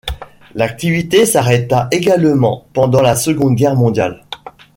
L'activité s'arrêta également pendant la Seconde Guerre mondiale.